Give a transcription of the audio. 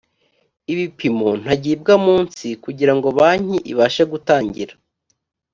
ibipimo ntagibwamunsi kugira ngo banki ibashe gutangira